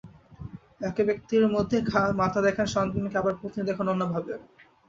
একই ব্যক্তির মধ্যে মাতা দেখেন সন্তানকে, আবার পত্নী দেখেন অন্যভাবে।